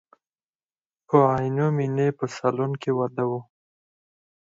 په عینومیني په سالون کې واده و.